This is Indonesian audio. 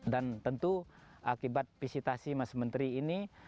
dan tentu akibat visitasi mas menteri ini